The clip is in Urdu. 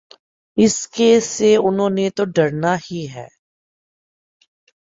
اس کیس سے انہوں نے تو ڈرنا ہی ہے۔